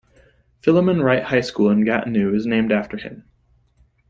Philemon Wright High School in Gatineau is named after him.